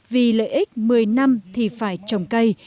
vì lợi ích một mươi năm thì phải trồng cây